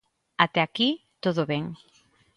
Até aquí todo ben.